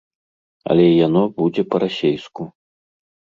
Але яно будзе па-расейску.